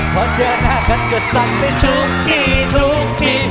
พอเจอหน้ากันก็สั่งได้ทุกที่ทุกที